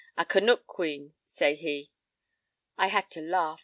A Canuck queen,' say he. "I had to laugh.